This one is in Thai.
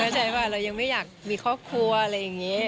เข้าใจป่ะเรายังไม่อยากมีครอบครัวอะไรอย่างนี้